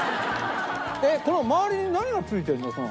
えっこの周りに何が付いてるの？